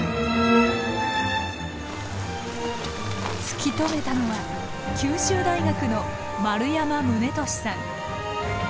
突き止めたのは九州大学の丸山宗利さん。